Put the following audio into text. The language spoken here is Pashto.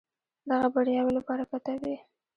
دغه بریاوې له برکته وې.